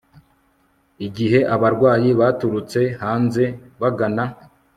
Igihe abarwayi baturutse hanze bagana